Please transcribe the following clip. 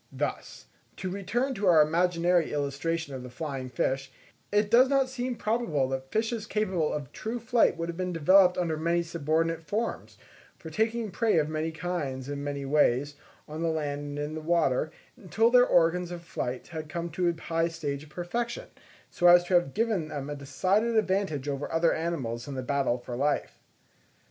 Thus, to return to our imaginary illustration of the flying fish, it does not seem probable that fishes capable of true flight would have been developed under many subordinate forms, for taking prey of many kinds in many ways, on the land and in the water, until their organs of flight had come to a high stage of perfection, so as to have given them a decided advantage over other animals in the battle for life.